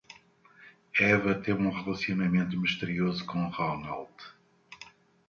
Eva teve um relacionamento misterioso com Ronald.